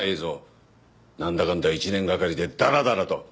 なんだかんだ一年がかりでダラダラと。